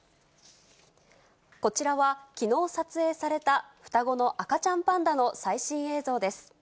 こちらは、きのう撮影された双子の赤ちゃんパンダの最新映像です。